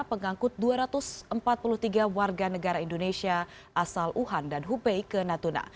pengangkut dua ratus empat puluh tiga warga negara indonesia asal wuhan dan hubei ke natuna